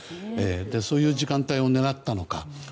そういう時間帯を狙ったのか。